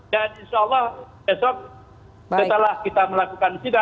dan insya allah besok setelah kita melakukan sidang